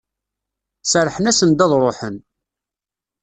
Serrḥen-asen-d ad d-ruḥen.